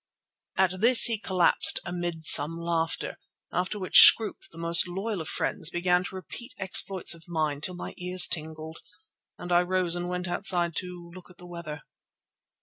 At this he collapsed amid some laughter, after which Scroope, the most loyal of friends, began to repeat exploits of mine till my ears tingled, and I rose and went outside to look at the weather.